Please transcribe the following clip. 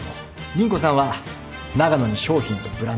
凛子さんはながのに商品とブランドを。